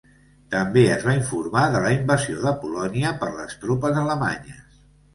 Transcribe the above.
També es va informar de la invasió de Polònia per les tropes alemanyes.